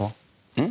うん？